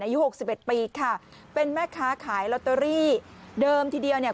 หกสิบเอ็ดปีค่ะเป็นแม่ค้าขายลอตเตอรี่เดิมทีเดียวเนี่ย